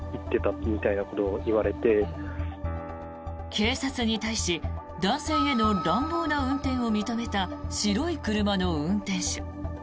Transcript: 警察に対し男性への乱暴な運転を認めた白い車の運転手。